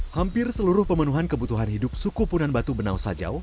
hampir seluruh pemenuhan kebutuhan hidup suku punan batu benau sajau